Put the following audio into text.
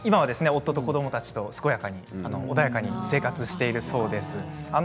夫と子どもたちと健やかに穏やかに生活をしているそうです。